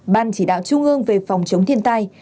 ban chỉ đạo trung ương về phòng chống thiên tai